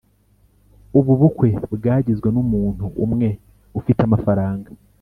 Ubu bukwe bwagizwe n’umuntu umwe ufite amafaranga